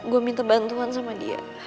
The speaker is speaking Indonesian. gue minta bantuan sama dia